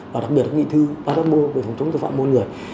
với công ty thư ba đáp môn về phòng chống thực phạm môn người